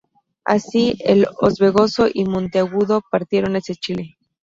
Así, el "Orbegozo" y el "Monteagudo" partieron hacia Chile.